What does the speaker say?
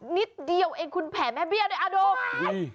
นิดเดียวเองคุณแผ่แม่เบี้ยด้วยอ่ะดู